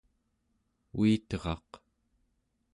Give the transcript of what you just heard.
uiteraq